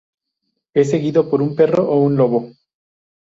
Es seguido por un perro o un lobo.